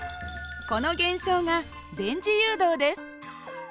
この現象が電磁誘導です。